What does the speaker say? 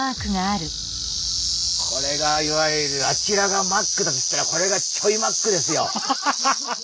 これがいわゆるあちらがマックだとしたらこれがちょいマックですよ。